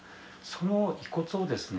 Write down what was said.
その遺骨をですね